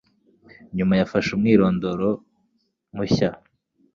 Nyuma, yafashe umwirondoro mushya.